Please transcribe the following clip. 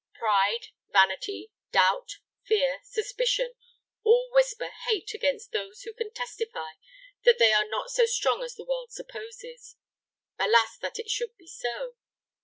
Pride, vanity, doubt, fear, suspicion, all whisper hate against those who can testify that they are not so strong as the world supposes. Alas, that it should be so!